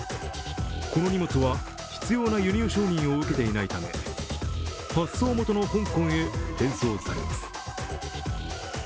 この荷物は必要な輸入承認を受けていないため、発送元の香港へ転送されます。